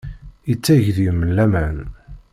Yetteg deg-m laman.